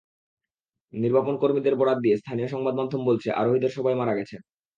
নির্বাপনকর্মীদের বরাত দিয়ে স্থানীয় সংবাদ মাধ্যম বলছে, আরোহীদের সবাই মারা গেছেন।